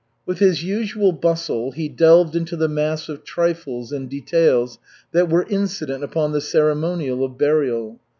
With his usual bustle he delved into the mass of trifles and details that were incident upon the ceremonial of burial.